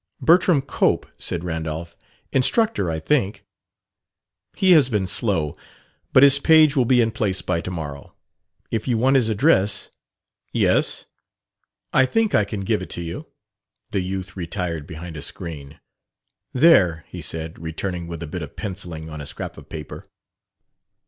"Bertram Cope," said Randolph. "Instructor, I think." "He has been slow. But his page will be in place by tomorrow. If you want his address...." "Yes?" " I think I can give it to you." The youth retired behind a screen. "There," he said, returning with a bit of pencilling on a scrap of paper.